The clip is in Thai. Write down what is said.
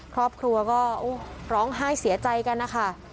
ครอบครัวก็ร้องไห้เสียใจกันนะคะ